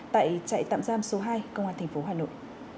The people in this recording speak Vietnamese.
tại trại tạm giam số hai công an thành phố hà nội